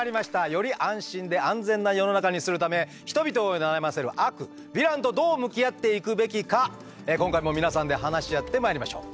より安心で安全な世の中にするため人々を悩ませる悪ヴィランとどう向き合っていくべきか今回も皆さんで話し合ってまいりましょう。